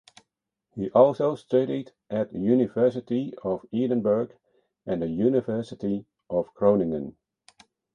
He also studied at University of Edinburgh and the University of Groningen.